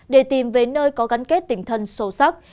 để tìm về nơi có gắn kết tình thân sâu sắc